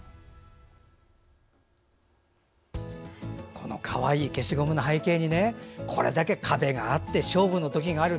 このかわいい消しゴムの背景にこれだけ壁があって勝負の時がある。